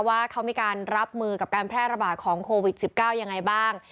ว่าเขามีการรับมือกับการแพร่ระบาดของโควิด๑๙ยังไงบ้าง